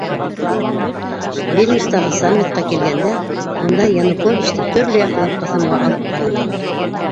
Вильнюстағы саммитҡа килгәндә, унда Януковичты төрлө яҡлап ҡыҫымға алып ҡаранылар.